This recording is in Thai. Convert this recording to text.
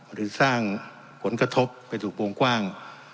หรือสร้างผลกระทบไปถูกวงกว้าง